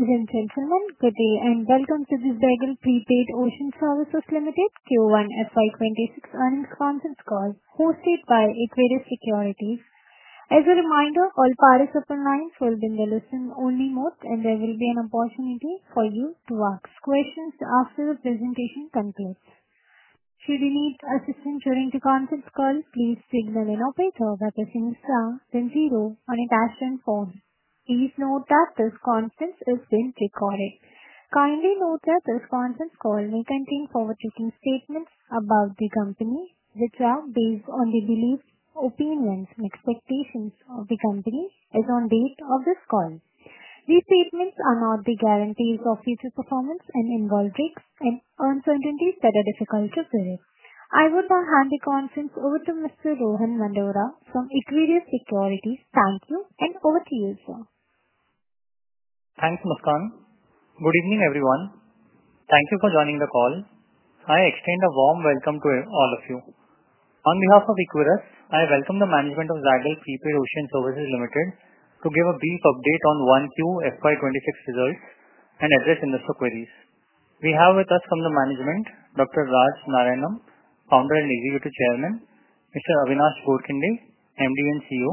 Thank you, everyone. Good evening and welcome to this Zaggle Prepaid Ocean Services Limited Q1 FY 2026 Earnings Conference Call hosted by Equirus Securities. As a reminder, all participants’ lines will be in the listen-only mode and there will be an opportunity for you to ask questions after the presentation concludes. Should you need assistance during the conference call, please signal an operator at the same star than zero on a touch-tone phone. Please note that this conference is being recorded. Kindly note that this conference call may contain forward-thinking statements about the company that are based on the beliefs, opinions, and expectations of the company as on the date of this call. These statements are not the guarantees of future performance and involve risks and uncertainties that are difficult to predict. I would now hand the conference over to Mr. Rohan Mandora from Equirus Securities. Thank you, and over to you, sir. Thank you, Maskan. Good evening, everyone. Thank you for joining the call. I extend a warm welcome to all of you. On behalf of Equirus, I welcome the management of Zaggle Prepaid Ocean Services Limited to give a brief update on 1Q FY 2026 results and address investor queries. We have with us from the management, Dr. Raj Narayanam, Founder and Executive Chairman; Mr. Avinash Godkhindi, MD and CEO;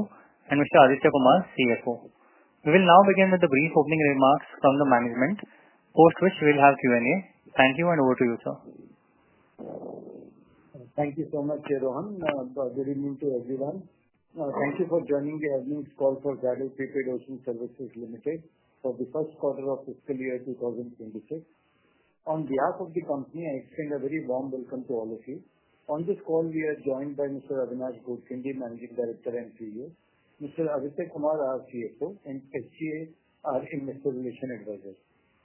and Mr. Aditya Kumar, CFO. We will now begin with the brief opening remarks from the management, post which we will have Q&A. Thank you, and over to you, sir. Thank you so much, Rohan. Good evening to everyone. Thank you for joining the earnings call for Zaggle Prepaid Ocean Services Limited for the first quarter of fiscal year 2026. On behalf of the company, I extend a very warm welcome to all of you. On this call, we are joined by Mr. Avinash Godkhindi, Managing Director and CEO, Mr. Aditya Kumar, our CFO, and SGA, our investor relations advisor.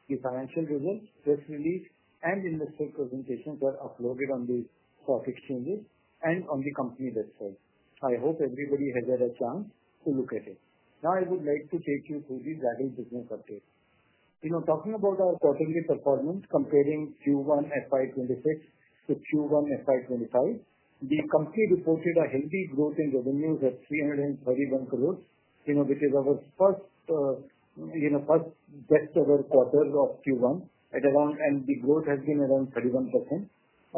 The financial results, press release, and investor presentations were uploaded on the stock exchanges and on the company website. I hope everybody has had a chance to look at it. Now, I would like to take you through the Zaggle business update. Talking about our quarterly performance comparing Q1 FY 2026 to Q1 FY 2025, the company reported a healthy growth in revenues at 331 crores. This is our first, first best ever quarter of Q1, and the growth has been around 31%.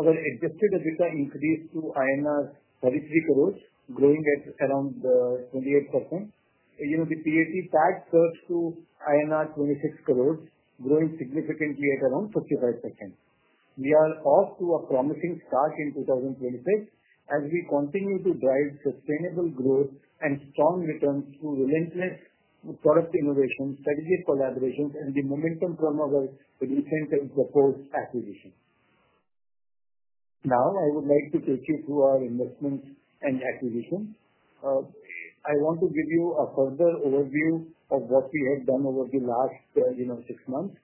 Our adjusted EBITDA increased to INR 33 crores, growing at around 28%. The PAT tax surged to INR 26 crores, growing significantly at around 55%. We are off to a promising start in 2026 as we continue to drive sustainable growth and strong returns through relentless product innovation, strategic collaborations, and the momentum from our existing and proposed acquisitions. Now, I would like to take you through our investments and acquisitions. I want to give you a further overview of what we have done over the last six months,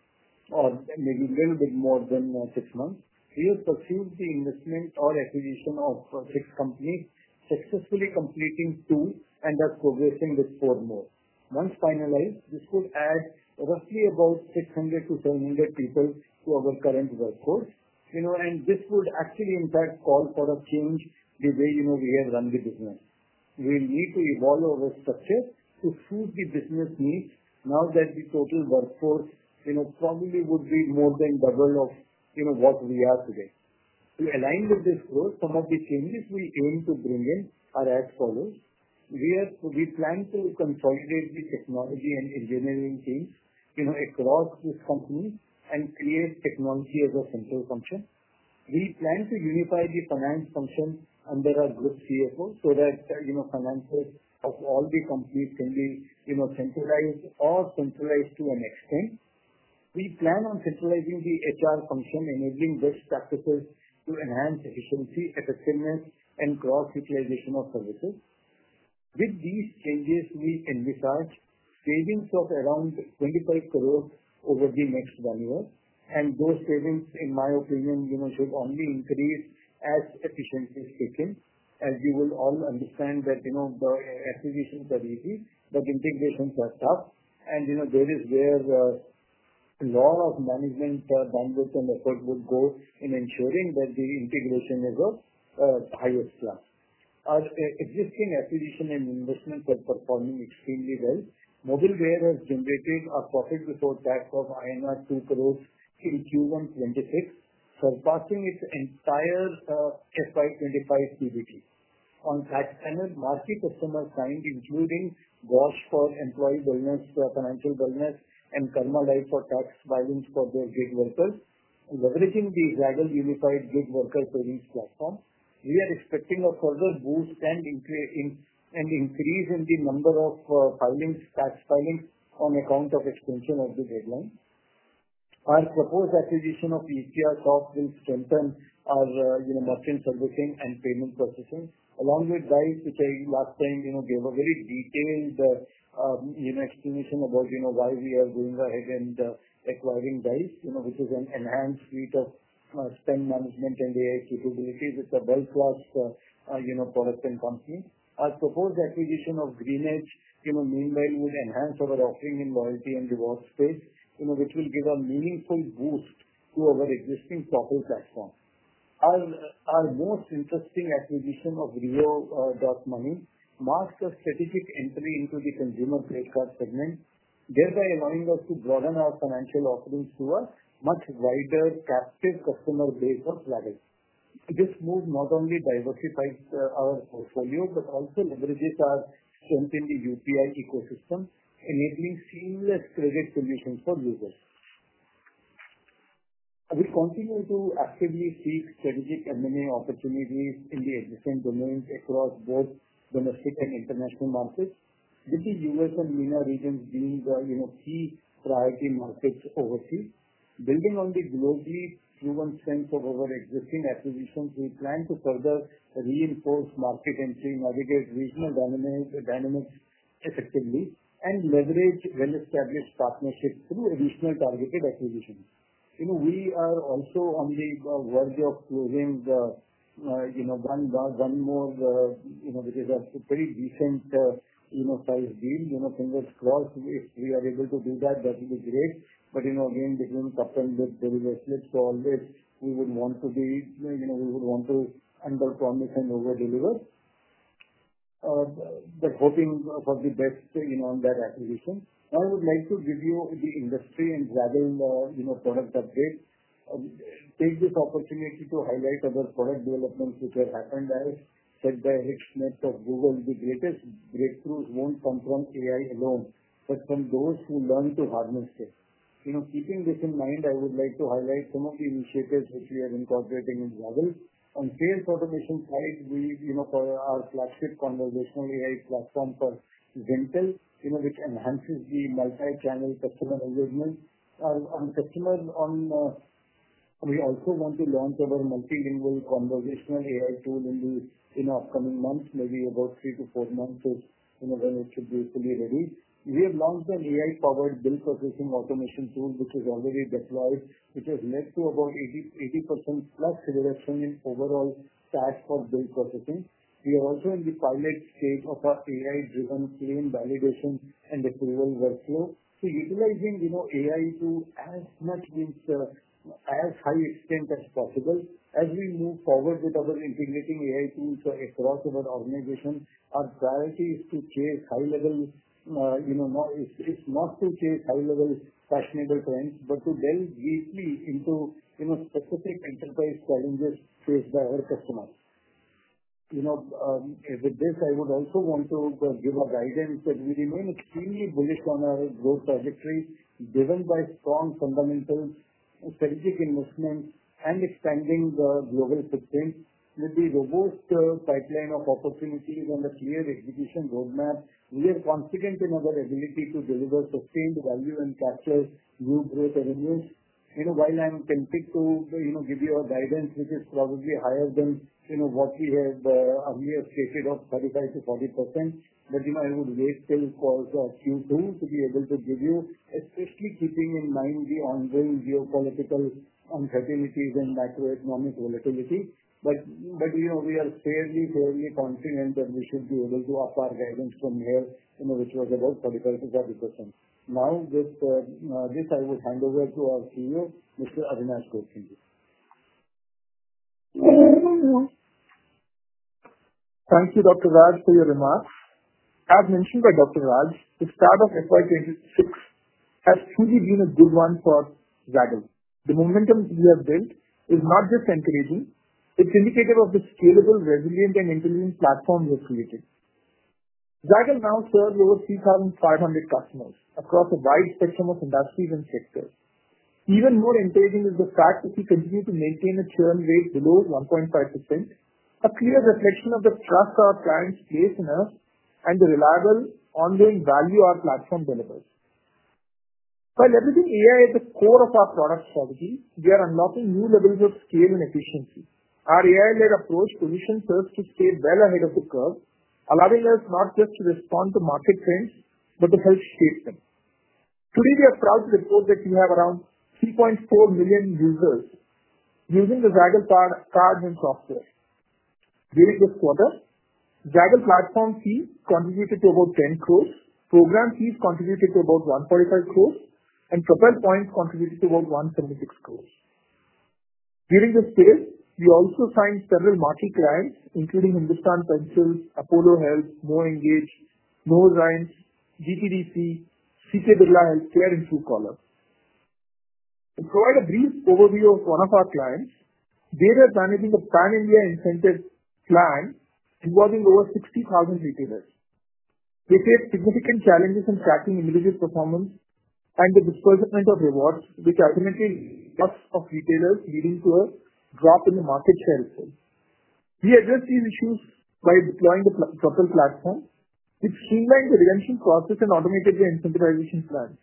or maybe a little bit more than six months. We have pursued the investment or acquisition of six companies, successfully completing two, and are progressing with four more. Once finalized, this would add roughly about 600-700 people to our current workforce. And this would actually, in fact, call for a change the way we have run the business. We need to evolve our structure to suit the business needs now that the total workforce probably would be more than double of what we are today. To align with this growth, some of the changes we're going to bring in are as follows: we plan to consolidate the technology and engineering teams across this company and create technology as a central function. We plan to unify the finance function under our group CFO so that finances of all the companies can be centralized or centralized to an extent. We plan on centralizing the HR function, enabling best practices to enhance efficiency, effectiveness, and cross-utilization of services. With these changes, we can be charged savings of around 25 crore over the next one year, and those savings, in my opinion, should only increase as efficiency is taken. As you will all understand, acquisitions are easy, but integrations are tough, and that is where a lot of management's long-term effort would go in ensuring that the integration is up or higher slack. Our existing acquisition and investments are performing extremely well. Mobileware has generated a profit without tax of INR 2 crore through Q1 FY 2026, surpassing its entire FY 2025 PBT. On TaxSpanner, marquee customers signed, including Bosch for employee wellness -- financial wellness and KarmaLife for tax filings for their gig workers. Leveraging the Zaggle unified gig worker savings platform, we are expecting a further boost and increase in the number of filings -- tax filings on account of extension of the deadline. Our proposed acquisition of EffiaSoft will strengthen our merchant servicing and payment processing along with Dice, which I last time gave a very detailed explanation about why we are going ahead and acquiring Dice, which is an enhanced suite of spend management and AI capabilities. It's a world-class product and company. Our proposed acquisition of Greenedge, meanwhile, would enhance our offering in loyalty and rewards space, which will give a meaningful boost to our existing total platform. Our most interesting acquisition of Rio.money marks a strategic entry into the consumer credit card segment thereby allowing us to broaden our financial offerings to a much wider captive customer base of Zaggle. This move not only diversifies our portfolio, but also leverages and strengthens the UPI ecosystem enabling seamless credit solutions for users. We continue to actively seek strategic M&A opportunities in the adjacent domains across both domestic and international markets with the U.S. and MENA regions being the key priority markets overseas. Building on the globally proven strength of our existing acquisitions, we plan to further reinforce market entry, navigate regional dynamics effectively and leverage well-established partnerships through additional targeted acquisitions. We are also on the verge of closing one more, which is a pretty decent sized deal. Fingers crossed, if we are able to do that, that will be great. But again, between cup and lip there is a slip. So all this we would want to be -- we would want to under-promise and over-deliver, but hoping for the best on that acquisition. Now, I would like to give you the industry and gathering product updates. Take this opportunity to highlight our product development, which has happened as said by Eric Schmidt of Google, "The greatest breakthroughs won't come from AI alone, but from those who learn to harness it." Keeping this in mind, I would like to highlight some of the initiatives, which we are incorporating in Zaggle. On sales automation side, we, you know, for our flagship conversational AI platform called Zintel, you know, which enhances the multi-channel customer engagement. Our customers on, we also want to launch our multilingual conversational AI tool in the, you know, upcoming months, maybe about 3-4 months of, you know, when it should be fully released. We have launched an AI-powered bill processing automation tool which is already deployed, which has led to about 80%+ reduction in overall TAT for bill processing. We are also in the pilot stage of our AI-driven claim validation and approval workflow. Utilizing, you know, AI to as much means as high extent as possible. As we move forward with our integrating AI tools across our organization, our priority is not to chase high-level fashionable trends, but to delve deeply into, you know, specific enterprise challenges faced by our customers. With this, I would also want to give a guidance that we remain extremely bullish on our growth trajectory, driven by strong fundamental strategic investment and expanding global footprint. With the robust pipeline of opportunities and a clear execution roadmap, we are confident in our ability to deliver sustained value and capture new growth avenues. While I'm tempted to, you know, give you a guidance which is probably higher than, you know, what we had earlier stated of 35%-40%, I would wait till the course of Q2 to be able to give you, especially keeping in mind the ongoing geopolitical uncertainties and macroeconomic volatility. We are fairly, fairly confident that we should be able to offer guidance from there, you know, which was about 35%-40%. Now, just, this I will hand over to our CEO, Mr. Avinash Godkhindi. Thank you, Dr. Raj, for your remarks. As mentioned by Dr. Raj, the start of FY 2026 has truly been a good one for Zaggle. The momentum we have built is not just encouraging, it's indicative of the scalable, resilient, and intelligent platform we're creating. Zaggle now serves over 3,500 customers across a wide spectrum of industries and sectors. Even more encouraging is the fact that we continue to maintain a churn rate below 1.5%, a clear reflection of the trust our clients place in us and the reliable ongoing value our platform delivers. By leveraging AI at the core of our product strategy, we are unlocking new levels of scale and efficiency. Our AI-led approach positioned service to stay well ahead of the curve, allowing us not just to respond to market trends, but to help chase them. Today, we are proud to report that we have around 3.4 million users using the Zaggle products and software. During this quarter, Zaggle platform fees contributed to about 10 crore, program fees contributed to about 1.5 crore, and Propel points contributed to about 176 crore. During this period, we also signed several marquee clients, including Hindustan Pencils, Apollo Health, MoEngage, Novozymes, DTDC, CK Birla Healthcare and Truecaller. To provide a brief overview of one of our clients, they were managing a Pan-India incentive plan involving over 60,000 retailers. They faced significant challenges in tracking individual performance and the dispersal rate of rewards, which ultimately led to loss of retailers, leading to a drop in the market share itself. We addressed these issues by deploying a Propel platform, which streamlined the redemption process and automated the incentivization plan,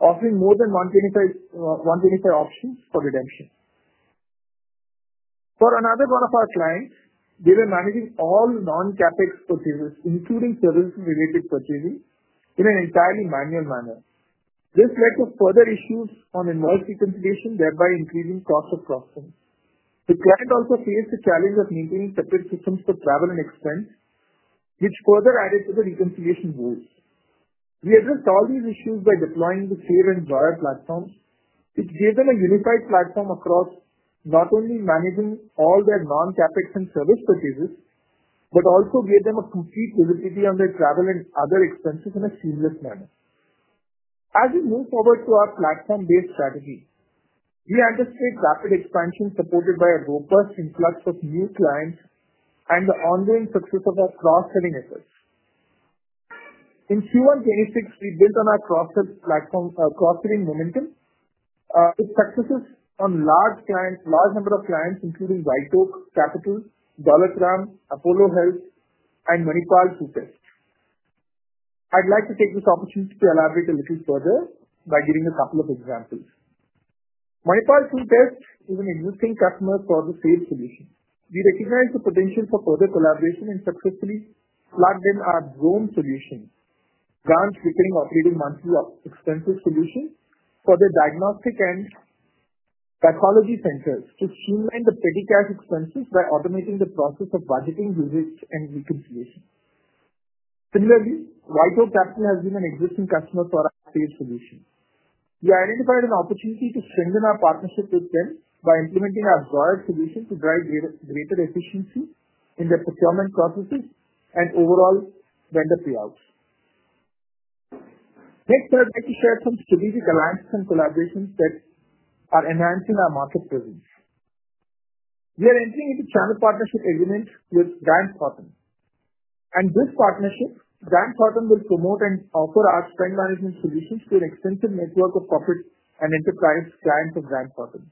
offering more than 125 options for redemption. For another one of our clients, they were managing all non-CapEx purchases, including services-related purchasing, in an entirely manual manner. This led to further issues on invoice reconciliation, thereby increasing costs of processing. The client also faced the challenge of maintaining separate systems for travel and expense, which further added to the reconciliation woes. We addressed all these issues by deploying the Save and Zoyer platform, which gave them a unified platform across not only managing all their non-CapEx and service purchases, but also gave them a complete visibility on their travel and other expenses in a seamless manner. As we move forward to our platform-based strategy, we anticipate rapid expansion supported by a robust influx of new clients and the ongoing success of our cross-selling efforts. In Q1 FY 2026, we built on our cross-selling momentum. It focuses on large clients, a large number of clients, including WhiteOak Capital, Daulat Ram, Apollo Health and Manipal TRUtest. I'd like to take this opportunity to elaborate a little further by giving a couple of examples. Manipal TRUtest is an existing customer for the Propel solution. We recognize the potential for further collaboration and successfully flagged in our Save solution, ground sweeping, operating monthly expenses solution for the diagnostic and pathology centers to streamline the petty cash expenses by automating the process of budgeting, usage, and reconciliation. Similarly, WhiteOak Capital has been an existing customer for our Propel solution. We identified an opportunity to strengthen our partnership with them by implementing our Zoyer solution to drive greater efficiency in their procurement processes and overall vendor payouts. Next, I'd like to share some strategic alliances and collaborations that are enhancing our market presence. We are entering into a channel partnership agreement with Grant Thornton, and this partnership, Grant Thornton, will promote and offer our spend management solutions to an extensive network of corporate and enterprise clients of Grant Thornton.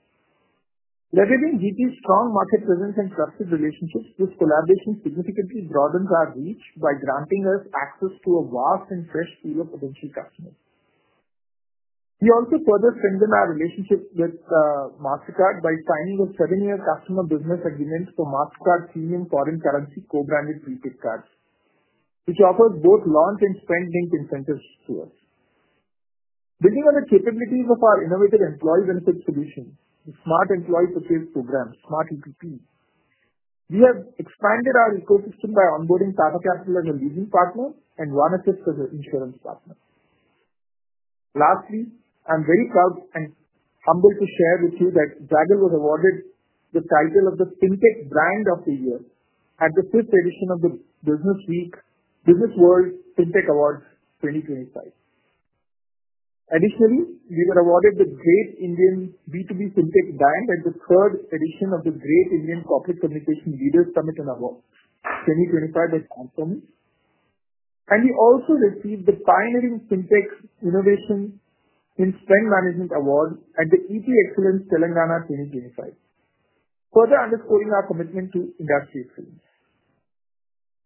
Leveraging GT's strong market presence and trusted relationships, this collaboration significantly broadens our reach by granting us access to a vast and fresh field of potential customers. We also further strengthened our relationship with Mastercard by signing a 7-year customer business agreement for Mastercard Premium Foreign Currency co-branded prepaid cards, which offers both launch- and spend-linked incentives to us. Building on the capabilities of our innovative employee benefits solution, the Smart Employee Purchase Program, Smart EPP. We have expanded our ecosystem by onboarding Tata Capital as a leasing partner and OneAssist as an insurance partner. Lastly, I'm very proud and humbled to share with you that Zaggle was awarded the title of the Fintech Brand of the Year at the fifth edition of the business week -- Business World Fintech Awards 2025. Additionally, we were awarded the great Indian B2B Fintech brand at the third edition of the Great Indian Corporate Communications Leader Summit & Awards 2025 by Transformance. And we also received the Pioneering Fintech Innovation in Spend Management Award at the ET Excellence Telangana 2025, further underscoring our commitment to industry excellence.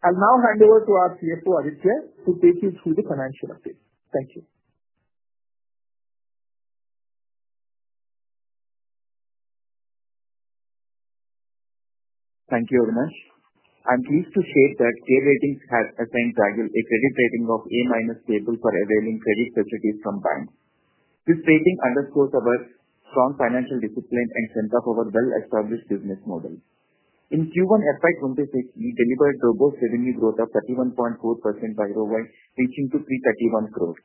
I'll now hand over to our CFO, Aditya, to take you through the financial update. Thank you. Thank you, Avinash. I'm pleased to share that CARE Ratings has assigned Zaggle a credit rating of A- stable for availing credit facilities from banks. This rating underscores our strong financial discipline and strength of our well-established business model. In Q1 FY 2026, we delivered robust revenue growth of 31.4% YoY reaching to INR 331 crores.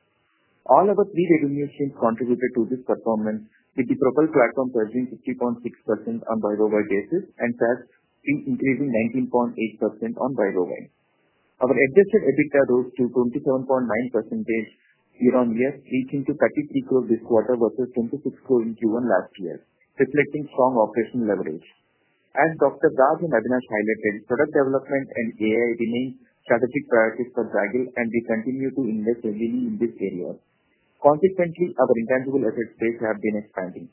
All our three revenue streams contributed to this performance with the Propel platform surging 50.6% on YoY basis and SaaS fee increasing 19.8% YoY. Our adjusted EBITDA rose to 27.9 percentage year-on-year, reaching to 33 crores this quarter versus 26 crores in Q1 last year, reflecting strong operational leverage. As Dr. Raj and Avinash highlighted, product development and AI remain strategic priorities for Zaggle, and we continue to invest heavily in this area. Consequently, our intangible assets base has been expanding.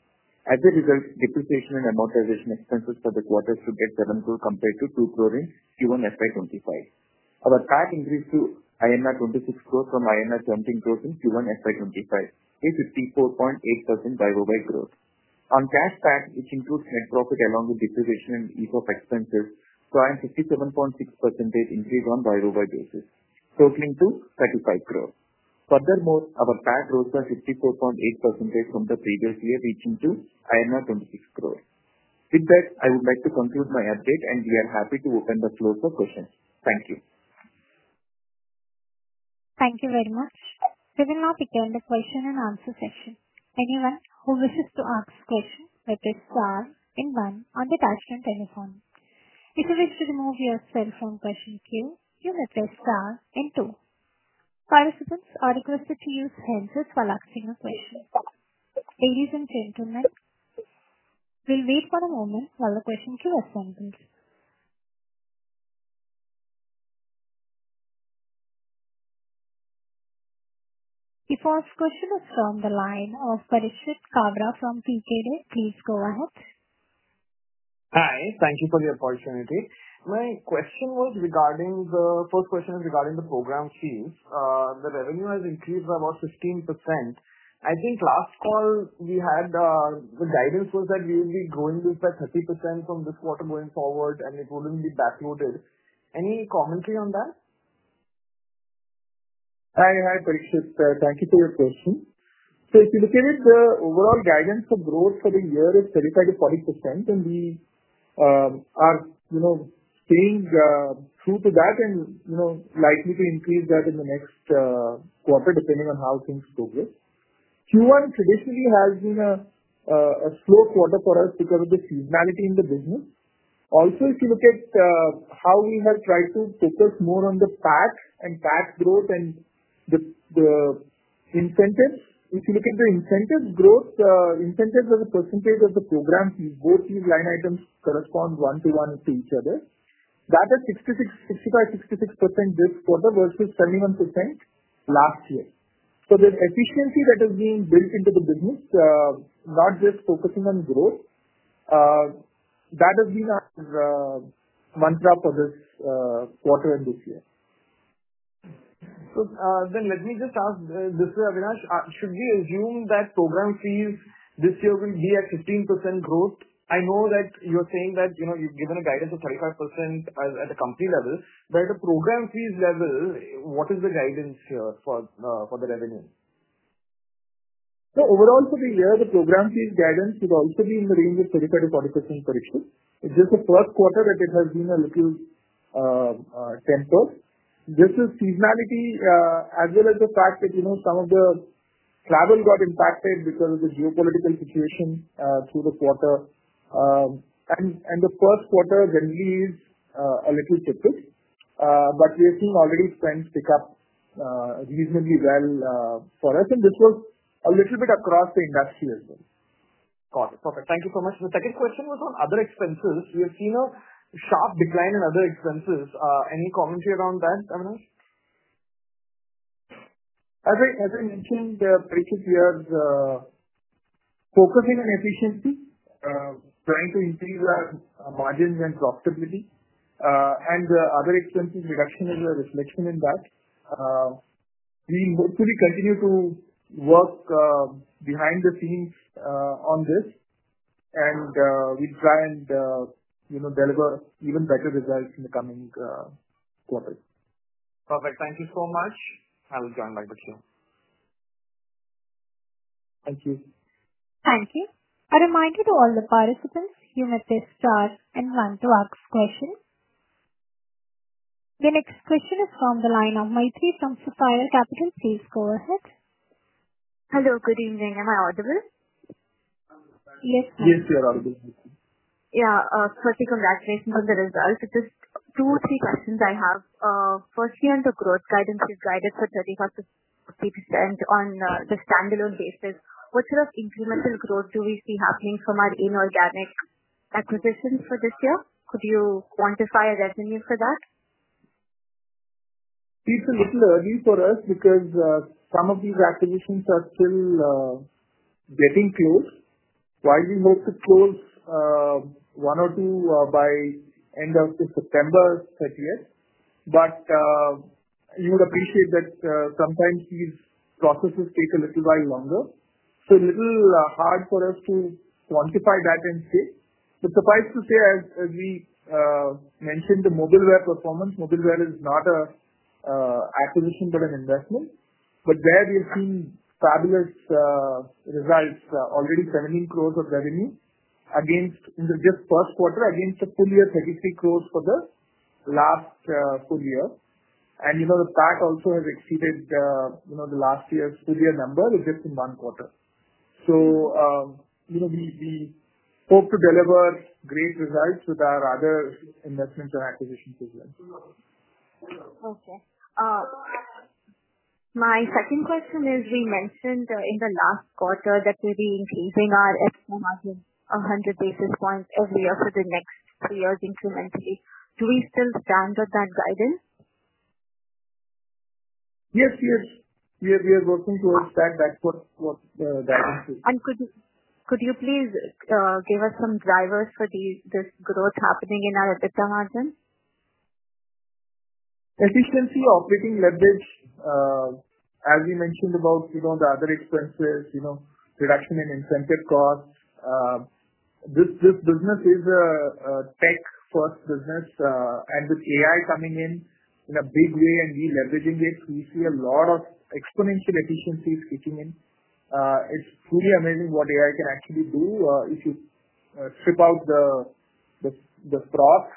As a result, depreciation and amortization expenses for the quarter stood at 7 crores compared to 2 crores in Q1 FY 2025. Our PAT increased to 26 crores from 17 crores in Q1 FY 2025, which is 54.8% YoY growth. On cash PAT, which includes net profit along with depreciation and ECOP expenses, we are at a 57.6% increase on a by YoY basis, totaling 35 crores. Furthermore, our PAT rose by 54.8% from the previous year, reaching 26 crores. With that, I would like to conclude my update, and we are happy to open the floor for questions. Thank you. Thank you very much. We will now begin the question-and-answer session. Anyone who wishes to ask questions may press star and one on the touch-tone telephone. If you wish to remove yourself from the queue, you may press star and two. Participants are requested to use handsets while asking a question. Ladies and gentlemen, we'll wait for a moment while the questions are assembled. The first question is from the line of Parikshit Kabra from Pkeday, please go ahead. Hi. Thank you for the opportunity. My question was regarding the first question is regarding the program fees. The revenue has increased by about 15%. I think last call we had the guidance was that we would be growing by 30% from this quarter going forward, and it wouldn't be backloaded. Any commentary on that? Hi, Parikshit. Thank you for your question. If you look at it, the overall guidance for growth for the year is 35-40%, and we are, you know, staying true to that and, you know, likely to increase that in the next quarter depending on how things progress. Q1 traditionally has been a slow quarter for us because of the seasonality in the business. Also, if you look at how we have tried to focus more on the PAT and PAT growth and the incentives, if you look at the incentive growth, the incentives as a percentage of the program fees, both these line items correspond 1:1 to each other. That is 65, 66% this quarter versus 71% last year. The efficiency that has been built into the business, not just focusing on growth, that has been our mantra for this quarter and this year. Let me just ask this way, Avinash, should we assume that program fees this year will be at 15% growth? I know that you're saying that, you know, you've given a guidance of 35% at the company level, but at the program fees level, what is the guidance here for the revenue? Overall for the year, the program fees guidance is also being in the range of 35%-40% per fee. It's just the first quarter that it has been a little tempered. This is seasonality, as well as the fact that, you know, some of the travel got impacted because of the geopolitical situation through the quarter. The first quarter generally is a little tippish, but we are seeing already trends pick up reasonably well for us. This was a little bit across the industry as well. Got it. Perfect. Thank you so much. The second question was on other expenses. We have seen a sharp decline in other expenses. Any commentary around that, Avinash? As I mentioned, the purchase years, focusing on efficiency, trying to increase our margins and profitability, and the other expenses we're asking as well, reflecting in that. We will hopefully continue to work behind the scenes on this, and we plan to, you know, deliver even better results in the coming quarter. Perfect. Thank you so much. I will join right back here. Thank you. Thank you. A reminder to all the participants, you may press star and plan to ask questions. The next question is from the line of Maitri from Sapphire Capital. Please go ahead. Hello, good evening. Am I audible? Yes. Yes, you're audible. Yeah. Firstly, congratulations on the results. Just two or three questions I have. Firstly, on the growth guidance, you've guided for 35%-50% on the standalone basis. What sort of incremental growth do we see happening from our inorganic acquisitions for this year? Could you quantify a revenue for that? It's a little early for us because some of these acquisitions are still getting close. While we hope to close one or two by end of September, that's yes. You would appreciate that sometimes these processes take a little while longer. It's a little hard for us to quantify that and say. The price to pay, as we mentioned, the Mobileware performance, Mobileware is not an acquisition but an investment. There we've seen fabulous results, already 17 crore of revenue in just the first quarter against a full year 33 crore for the last full year. The PAT also has exceeded the last year's full year number except in one quarter. We hope to deliver great results with our other investments and acquisitions as well. Okay. My second question is, we mentioned in the last quarter that we'll be increasing our EBITDA margin 100 basis points every year for the next three years incrementally. Do we still stand on that guidance? Yes, we are. We are working towards that guidance. Could you please give us some drivers for this growth happening in our EBITDA margin? Consistency of operating leverage, as we mentioned about the other expenses, reduction in incentive costs. This business is a tech-first business, and with AI coming in in a big way and we leveraging it, we see a lot of exponential efficiencies kicking in. It's truly amazing what AI can actually do. If you strip out the frost,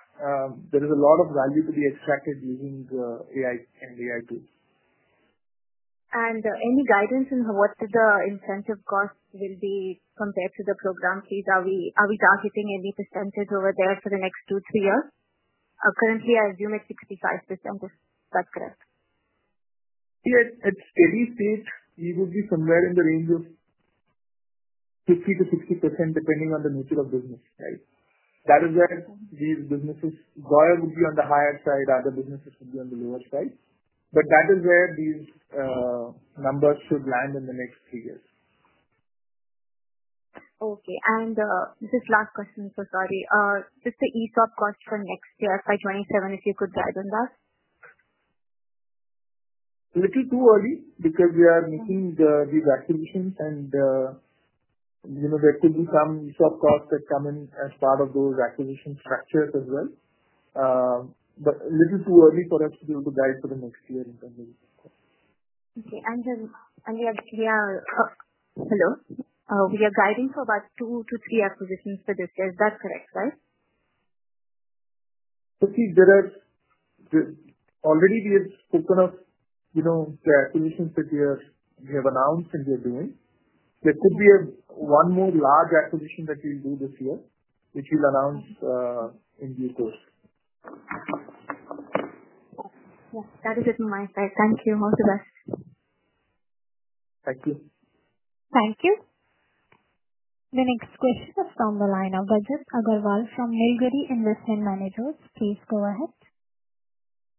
there is a lot of value to be extracted using the AI and AI tools. there any guidance on what the incentive costs will be compared to the program fees? Are we targeting any percentage over there for the next 2-3 years? Currently, I assume it's 65%. Is that correct? Yeah. At steady state, we would be somewhere in the range of 50%-60% depending on the nature of the business, right? That is where these businesses, Zoyer would be on the higher side. Other businesses would be on the lower side. That is where these numbers should land in the next three years. Okay, this last question, sorry. This is the ESOP cost for next year FY 2027, if you could dive in that? A little too early because we are making these acquisitions, and, you know, there could be some ESOP costs that come in as part of those acquisition structures as well. It is a little too early for us to be able to guide for the next year in terms of the. Okay, we are guiding for about 2-3 acquisitions for this year. Is that correct, sir? Let's see. We have already spoken of the acquisitions that we have announced and we are doing. There could be one more large acquisition that we'll do this year, which we'll announce in detail. Yeah, that is it from my side. Thank you. All the best. Thank you. Thank you. The next question is from the line of Rajit Aggarwal from Nilgiri Investment. Please go ahead.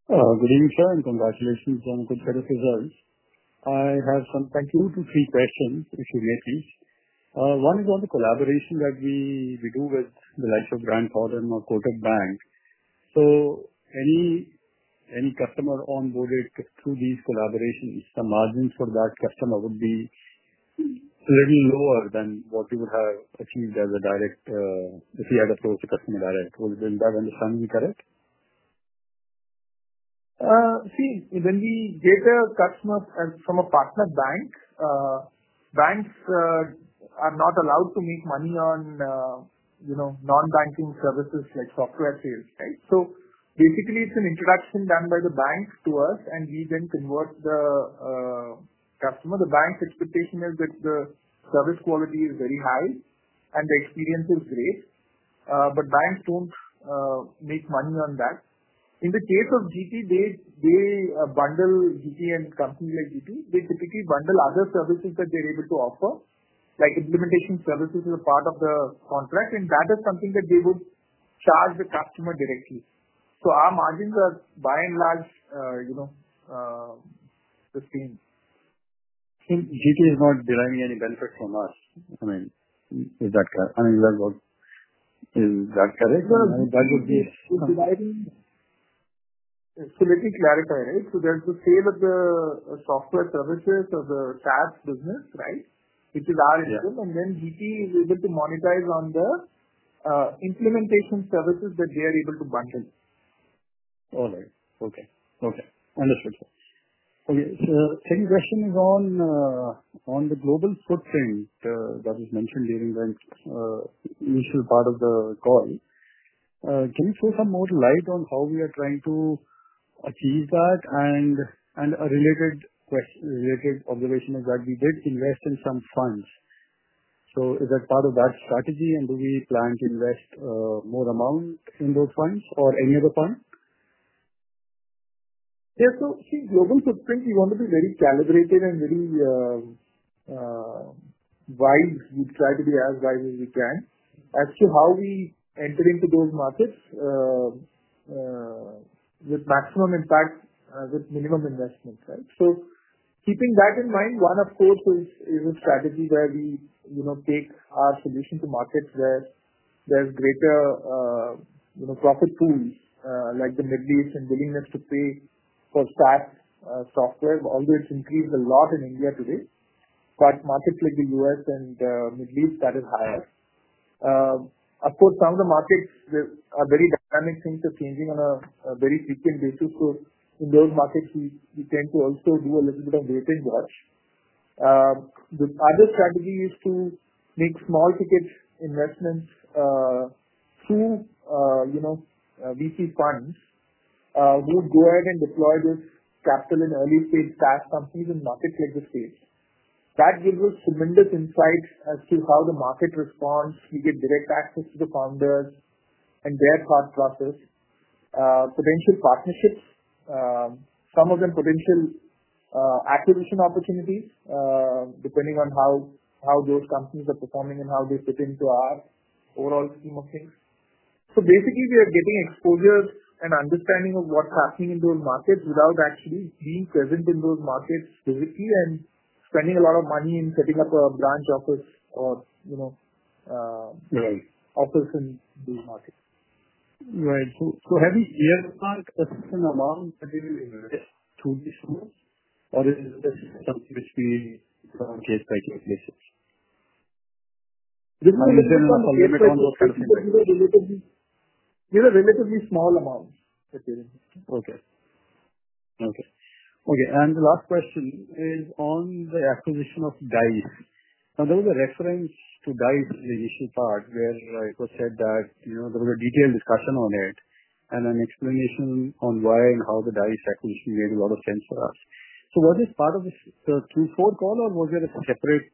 Good evening, sir, and congratulations on the productive results. Thank you. I have two to three questions, if you may, please. One is on the collaboration that we do with the likes of Grant Thornton or Kotak Bank. Any customer onboarded through these collaborations, the margins for that customer would be a little lower than what we would have achieved if we had approached the customer directly. Would that understand be correct? See, when we get a customer from a partner bank, banks are not allowed to make money on, you know, non-banking services like software sales, right? Basically, it's an introduction done by the banks to us, and we then convert the customer. The bank's expectation is that the service quality is very high and the experience is great, but banks don't make money on that. In the case of GT, they bundle GT and companies like GT, they typically bundle other services that they're able to offer, like implementation services as a part of the contract. That is something that they would charge the customer directly. Our margins are, by and large, you know, sustained. GT is not deriving any benefits from us. I mean, is that correct? I mean, you have worked in that area. That would be simultaneously clarified, right? There's the sale of the software services of the SaaS business, right? It is our income, and then Grant Thornton is able to monetize on the implementation services that they are able to bundle. All right. Okay. Understood. The second question is on the global footprint that was mentioned during the initial part of the call. Can you shed some more light on how we are trying to achieve that? A related question, related observation is that we did invest in some funds. Is that part of that strategy, and do we plan to invest more amount in those funds or any other funds? Yeah. See, global footprint, we want to be very calibrated and very wise in strategy, as wise as we can, as to how we enter into those markets with maximum impact, with minimum investment, right? Keeping that in mind, one, of course, is a strategy where we take our solution to markets where there's greater profit pools, like the Middle East, and willingness to pay for SaaS software, although it's increased a lot in India today. Markets like the U.S. and Middle East, that is higher. Some of the markets are very dynamic. Things are changing on a very frequent basis. In those markets, we tend to also do a little bit of weighted watch. The other strategy is to make small ticket investments through VC funds. We would go ahead and deploy this capital in early-stage SaaS companies in markets like the States. That gives us tremendous insight as to how the market responds. We get direct access to the founders and their thought process, potential partnerships, some of them potential acquisition opportunities, depending on how those companies are performing and how they fit into our overall scheme of things. Basically, we are getting exposure and understanding of what's happening in those markets without actually being present in those markets physically and spending a lot of money in setting up a branch office or office in those markets. Right. Have you seen a certain amount that you invest through these funds, or is this stuff which we purchase by acquisitions? It's a relatively small amount that we invest. Okay. The last question is on the acquisition of Dice. Now there was a reference to Dice in the initial part where it was said that there was a detailed discussion on it and an explanation on why and how the Dice acquisition made a lot of sense for us. So was this part of the Q4 call or was there a separate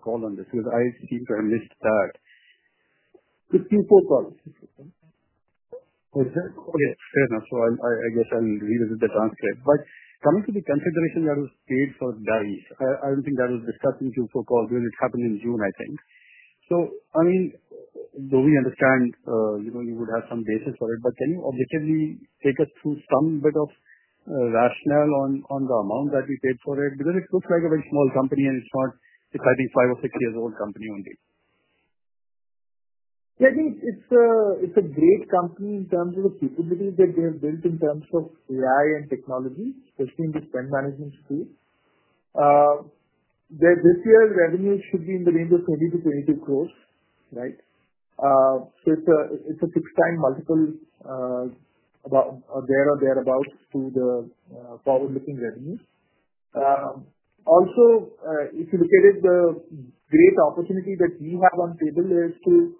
call on this because I seem to have missed that? It's the Q4 call. Okay. Fair enough. I guess I'll revisit the transcript. Coming to the consideration that was paid for Dice, I don't think that was discussed in the Q4 call. It happened in June, I think. Do we understand, you know, you would have some basis for it, but can you objectively take us through some bit of rationale on the amount that we paid for it? Because it looks like a very small company, and it's not, I think, five or six years old company only. Yeah, I think it's a great company in terms of the capability that they have built in terms of AI and technology, especially in the spend management space. Their this year's revenue should be in the range of 20-22 crore, right? It's a 6x multiple, about there or thereabouts to the forward-looking revenue. Also, if you look at it, the great opportunity that we have on table is to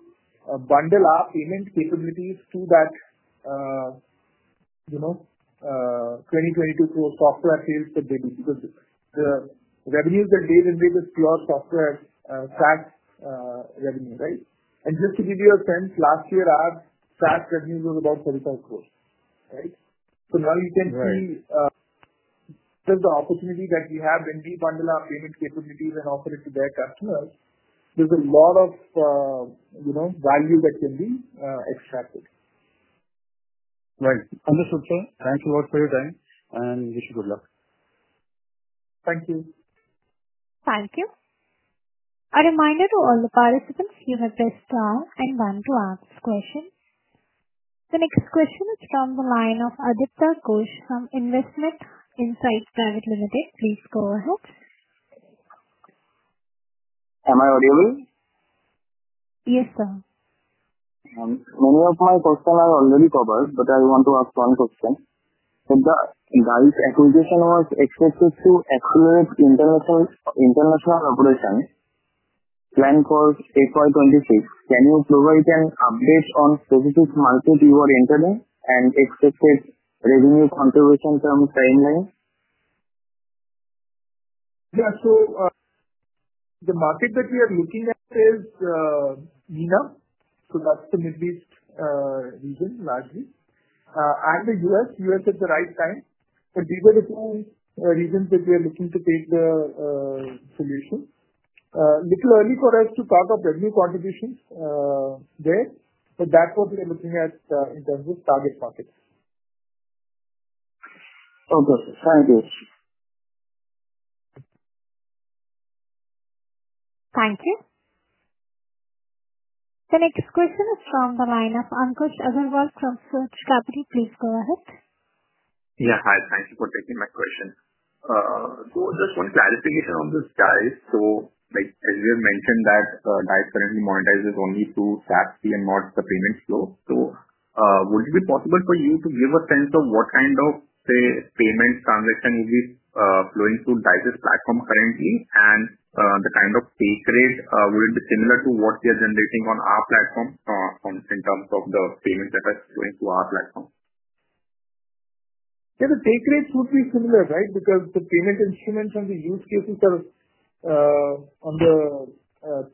bundle our payment capabilities to that 20 crores, INR 22 crores software sales that they do because the revenues that they generate is pure software -- SaaS revenue, right? Just to give you a sense, last year, our SaaS revenue was about 35 crore, right? Now you can see just the opportunity that we have when we bundle our payment capabilities and offer it to their customers. There's a lot of value that can be extracted. Right. Understood, sir. Thanks a lot for your time, and wish you good luck. Thank you. Thank you. A reminder to all the participants, you may press star and plan to ask questions. The next question is from the line of Aadipta Ghosh from Invesmate Insights Private Limited. Please go ahead. Am I audible? Yes, sir. Many of my questions are already covered, but I want to ask one question. If the Dice acquisition was expected to accelerate international operations, planned for FY 2026, can you provide an update on specific markets you are entering and expected revenue contribution from the timeline? The market that we are looking at is the MENA region largely, and the U.S. at the right time. These are the two regions that we are looking to place the solution. It's a little early for us to talk about revenue contributions there, but that's what we are looking at in terms of target markets. Okay, thank you. Thank you. The next question is from the line of Ankush Agrawal from Surge Capital. Please go ahead. Yeah. Hi. Thank you for taking my question. Just one clarification on this Dice. As you have mentioned that Dice currently monetizes only through SaaS fee and not the payment flow, would it be possible for you to give a sense of what kind of, say, payments transactions will be flowing through Dice's platform currently, and the kind of take rate, would it be similar to what we are generating on our platform, in terms of the payments that are flowing through our platform? Yeah, the take rates would be similar, right, because the payment instruments and the use cases are, on the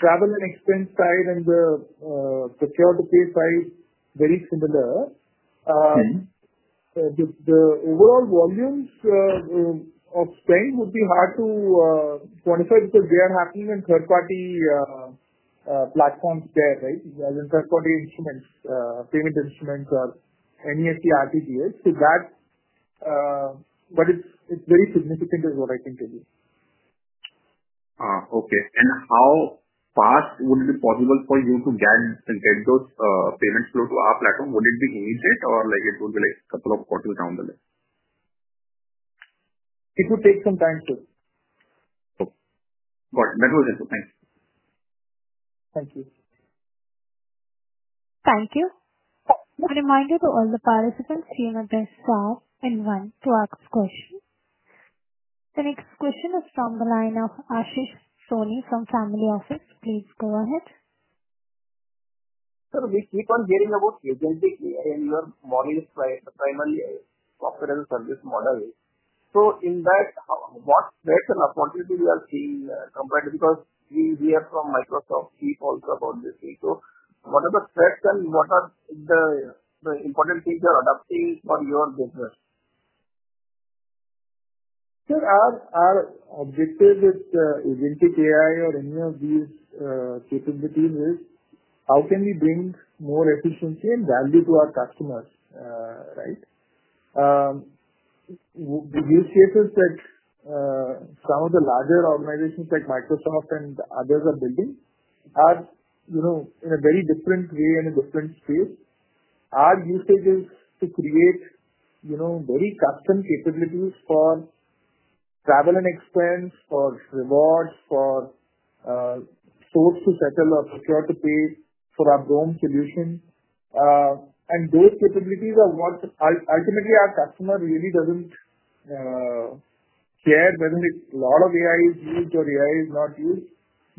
travel and expense side and the prepare-to-pay side, very similar. The overall volumes of spend would be hard to quantify because we are not using third-party platforms there, right? I mean, third-party instruments, payment instruments are NEFT, RTGS. That's, but it's very significant is what I can tell you. Okay. How fast would it be possible for you to get those payments flow to our platform? Would it be immediate, or would it be like a couple of quarters down the line? It would take some time too. Okay. Got it. That was it. Thanks. Thank you. Thank you. A reminder to all the participants, you may press star and plan to ask questions. The next question is from the line of Ashish Soni from Family Office. Please go ahead. Sir, we keep on hearing about agentic AI and your model is primarily a SaaS model. In that, what threats and opportunities do you see compared to because we are from Microsoft also on this thing? What are the threats and what are the important things you're adopting for your business? Sir, our objective with agentic AI or any of these capabilities is how can we bring more efficiency and value to our customers, right? The use cases that some of the larger organizations like Microsoft and others are building are, you know, in a very different way and a different space. Our usage is to create, you know, very custom capabilities for travel and expense, for rewards, for source to settle or procure to pay for our Goyal solution. Those capabilities are what ultimately our customer really doesn't care. Doesn't matter if a lot of AI is used or AI is not used.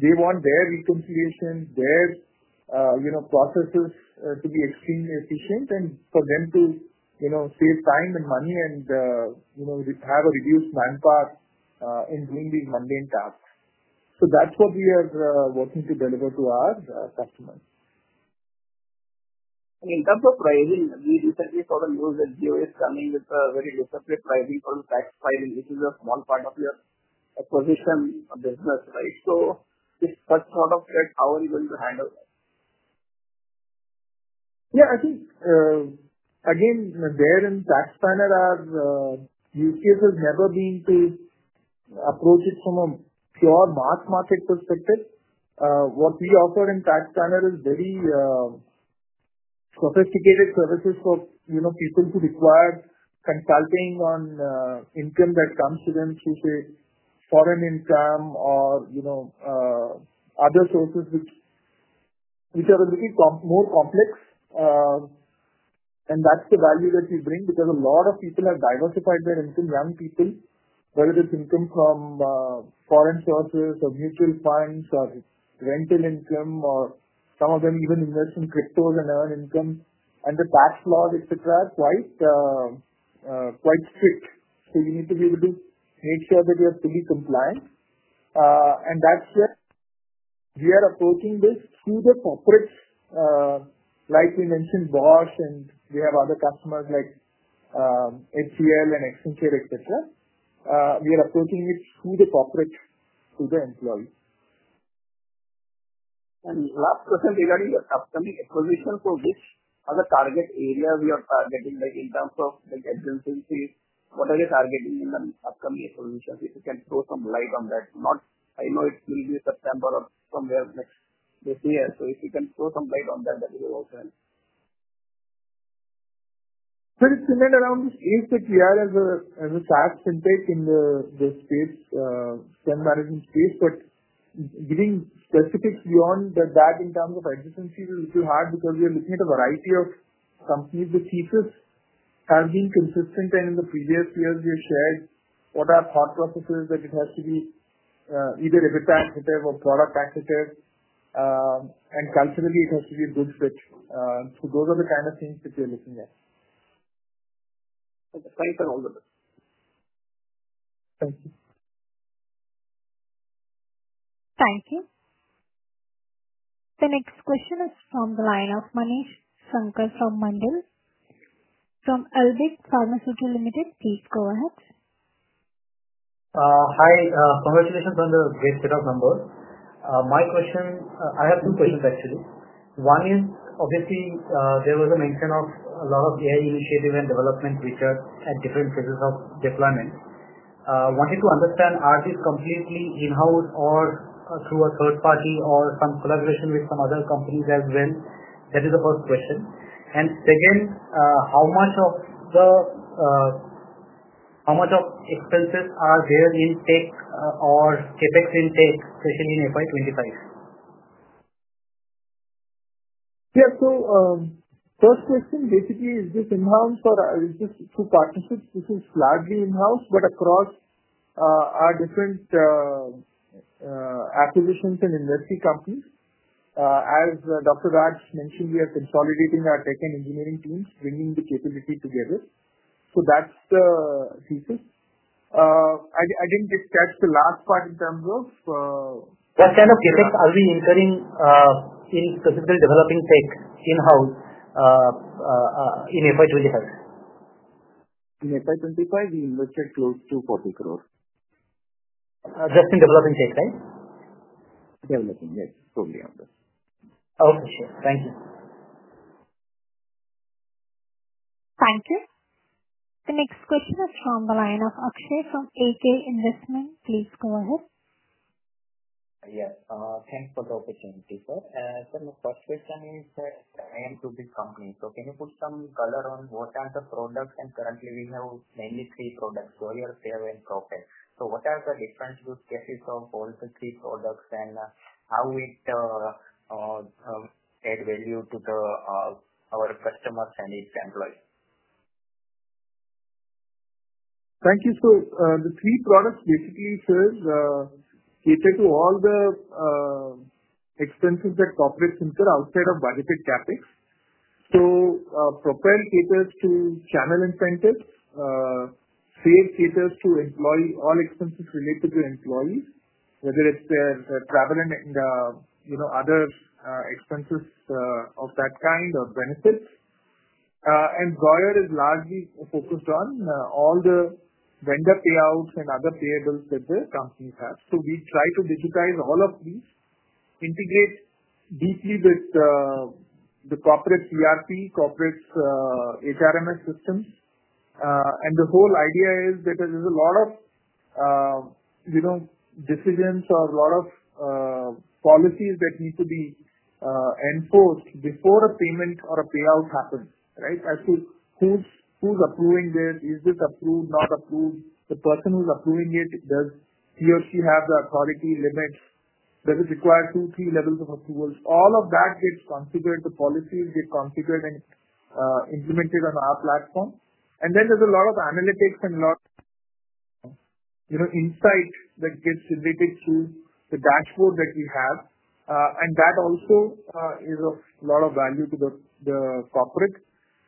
They want their reconciliation, their, you know, processes to be extremely efficient and for them to, you know, save time and money and, you know, have a reduced manpower in doing these mundane tasks. That's what we are working to deliver to our customers. In terms of pricing, we recently saw the news that Zoyer is coming with a very receptive pricing on tax planning, which is a small part of your acquisition business, right? Is that sort of how we're going to handle that? Yeah, I think, again, there in TaxSpanner our usage has never been to approach it from a pure mass market perspective. What we offer in TaxSpanner is very sophisticated services for, you know, people who require consulting on income that comes to them through, say, foreign income or, you know, other sources which are a little more complex. That's the value that we bring because a lot of people have diversified their income, young people, whether it's income from foreign sources or mutual funds or rental income or some of them even invest in cryptos and earn income. The tax laws, etc., are quite strict. You need to be able to make sure that you are fully compliant. That's where we are approaching this through the corporates, like we mentioned Bosch, and we have other customers like HCL and Accenture, etc. We are approaching it through the corporates to the employees. Last question, we are running the upcoming acquisition. Which are the target areas we are targeting, like in terms of adjunctivity? What are you targeting in the upcoming acquisition? If you can throw some light on that. I know it's placed with September or somewhere next this year. If you can throw some light on that, that would be awesome. It's similar around the space that we are as a SaaS fintech in the spend management space. Getting specifics beyond that in terms of adjunctivity is a little hard because we are looking at a variety of companies. The thesis has been consistent. In the previous years, we have said what our thought processes are, that it has to be either EBITDA sensitive or product sensitive. It has to be a good fit. Those are the kind of things that we are looking at. Okay. Thank you for all that. Thank you. Thank you. The next question is from the line of Manishankar Mandal from Alembic Pharmaceutical Limited. Please go ahead. Hi. Congratulations on the great set of numbers. My question, I have two questions, actually. One is, obviously, there was a mention of a lot of AI initiatives and development research at different phases of deployment. I wanted to understand, are these completely in-house or through a third party or some collaboration with some other companies as well? That is the first question. Second, how much of the expenses are there in OpEx or CapEx, especially in FY 2025? Yeah. First question, basically, is this in-house or is this through partnerships? This is largely in-house, but across our different acquisitions and investment companies. As Dr. Raj mentioned, we are consolidating our tech and engineering teams, bringing the capability together. That's the thesis. I didn't catch the last part in terms of. That's kind of CapEx. Are we inserting in specifically developing tech in-house in FY 2025? In FY 2025, we invested close to 40 crore. Just in developing tech, right? Developing, yes. Totally out there. Okay, sure. Thank you. Thank you. The next question is from the line of Akshay from AK Investment. Please go ahead. Yes. Thanks for the opportunity, sir. Sir, my first question is that I am new to this company. So can you put some color on what types of products? And currently, we have mainly three products, Zoyer, Save and Propel. So what are the different use cases of all the three products and how it adds value to the -- our customers and its employees? Thank you. The three products basically say we're taking all the expenses that corporates incur outside of budgeted CapEx. Propel caters to channel incentives, Save caters to all expenses related to employees, whether it's their travel and other expenses of that kind or benefits. And Zoyer is largely focused on all the vendor payouts and other payables that the companies have. We try to digitize all of these, integrate deeply with the corporate ERP, corporate HRMS systems. The whole idea is that there's a lot of decisions or a lot of policies that need to be enforced before a payment or a payout happens, right? Who's approving it, is it approved, not approved, the person who's approving it, does he or she have the authority limits, does it require two key levels of approval? All of that gets configured, the policies get configured and implemented on our platform. There's a lot of analytics and a lot of insights that get related to the dashboard that we have. That also is of a lot of value to the corporate.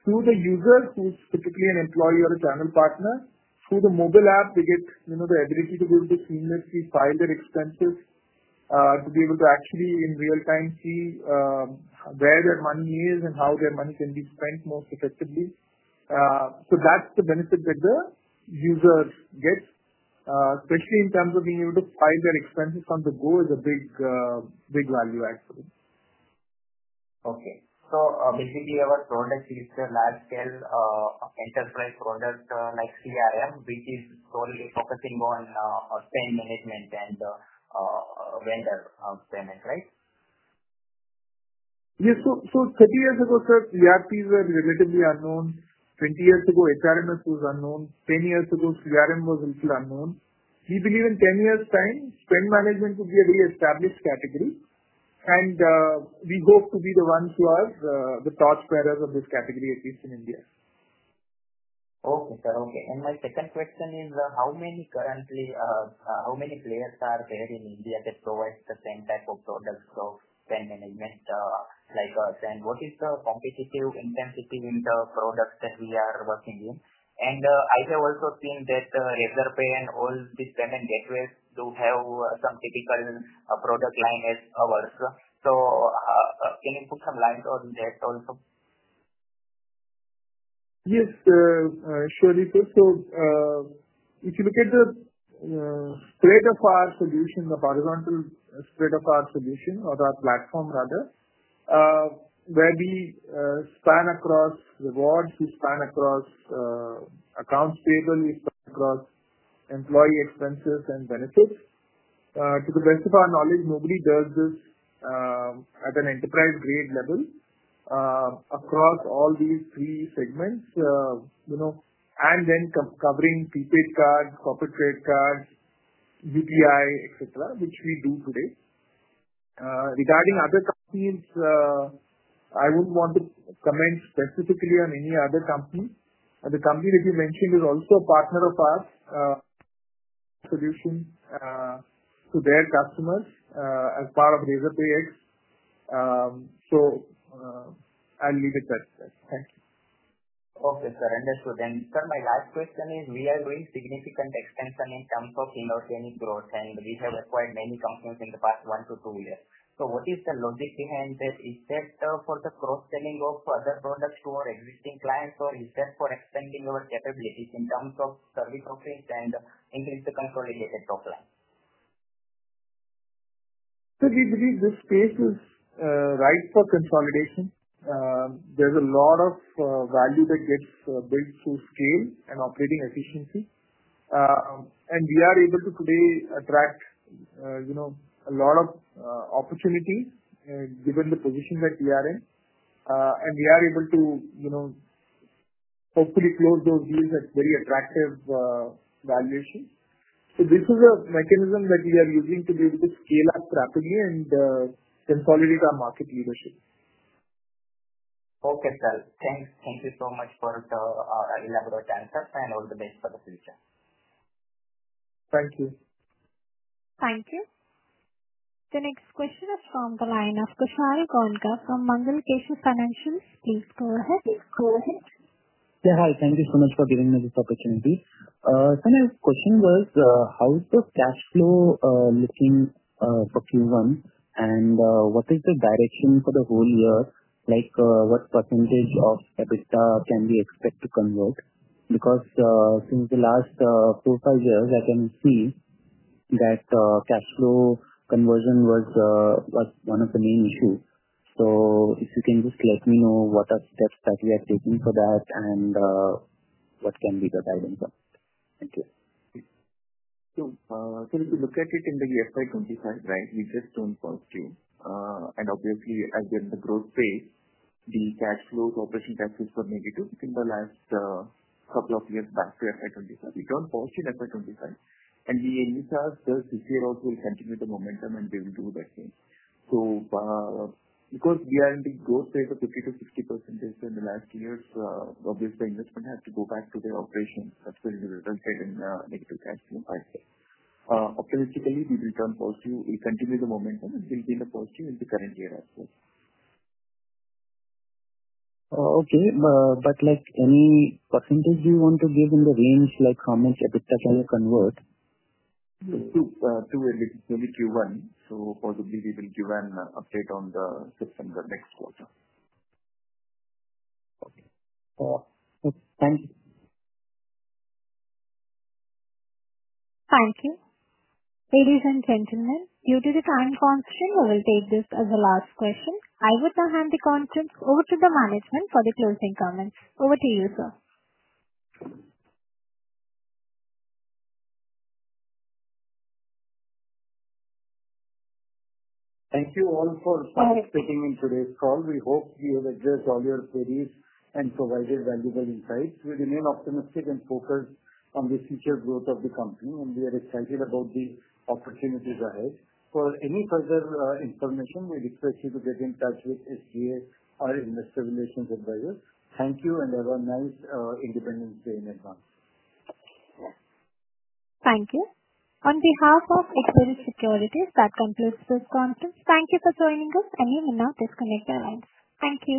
To the user who's typically an employee or a channel partner, through the mobile app, they get the ability to be able to seamlessly file their expenses, to be able to actually in real time see where their money is and how their money can be spent most effectively. That's the benefit that the user gets, especially in terms of being able to file their expenses on the go, which is a big, big value, actually. Okay. Basically, our product is a large-scale enterprise product like CRM, which is storage and pocketing, Propel, or spend management and the vendor of payment, right? Yes. 30 years ago, CRM was relatively unknown. 20 years ago, HRMS was unknown. 10 years ago, CRM was a little unknown. We believe in ten years' time, spend management will be a reestablished category. We hope to be the ones who are the thought sparers of this category, at least in India. Okay. My second question is, how many currently, how many players are there in India that provide the same type of products of spend management like us? What is the competitive intensity in the products that we are working in? I have also seen that Razorpay and all the payment gateways do have some typical product line as ours. Can you put some light on that also? Yes, sure it is. If you look at the straight-after solution, the horizontal straight-after solution or our platform, rather, where we span across rewards, we span across accounts payable, we span across employee expenses and benefits. To the best of our knowledge, nobody does this at an enterprise-grade level across all these three segments, you know, and then covering prepaid cards, corporate credit cards, UPI, etc., which we do today. Regarding other companies, I wouldn't want to comment specifically on any other company. The company that you mentioned is also a partner of our solution to their customers as part of RazorpayX. I'll leave it at that. Okay, sir. That's for them. Sir, my last question is, we are doing significant expansion in terms of industry growth, and we have acquired many customers in the past one to two years. What is the logic behind that? Is that for the cross-selling of other products to our existing clients, or is that for expanding our capabilities in terms of service offerings and increasing the consolidated offering? We believe this space is right for consolidation. There's a lot of value that gets built through scale and operating efficiency. We are able to today attract a lot of opportunities, given the position that we are in. We are able to hopefully close those deals at very attractive valuation. This is a mechanism that we are using to be able to scale up rapidly and consolidate our market leadership. Okay, sir. Thank you so much for our elaborate answer, and all the best for the future. Thank you. Thank you. The next question is from the line of Kushal Goenka from Mangal Keshav Financials. Please go ahead. Yeah. Hi. Thank you so much for giving me this opportunity. Sir, my question was, how does cash flow look for Q1, and what is the direction for the whole year? Like, what percentage of EBITDA can we expect to convert? Because, since the last four, five years, I can see that cash flow conversion was one of the main issues. If you can just let me know what are the steps that we are taking for that and what can be the guidance on that. Okay. So, sir, if you look at it in the year FY 2025, right, we just done 1st of June. Obviously, as in the growth phase, the cash flow of operation taxes were negative in the last couple of years past FY 2025. We don't postdate FY 2025. In the past, this year also we'll continue the momentum and we will do the same. Because we are in the growth phase of 50-60% in the last years, obviously, the investment has to go back to their operations as well as the results in the medical cash flow. Optimistically, we return positive. We continue the momentum and we'll be in the positive in the current year as well. Okay, any percentage you want to give in the range, like how much EBITDA can we convert? It's too early. It's maybe Q1, so possibly we will give an update on the fifth and the next quarter. Okay, thank you. Thank you. Ladies and gentlemen, due to the time constraint, I will take this as the last question. I will now hand the contents over to the management for the closing comments. Over to you, sir. Thank you all for participating in today's call. We hope we have addressed all your queries and provided valuable insights. We remain optimistic and focused on the future growth of the company, and we are excited about the opportunities ahead. For any further information, we request you to get in touch with SGA, our Investor Relations Advisors. Thank you and have a nice Independence Day in advance. Thank you. On behalf of Equirus Securities, that concludes this conference. Thank you for joining us, and you may now disconnect your lines. Thank you.